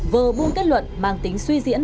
vờ buôn kết luận mang tính suy diễn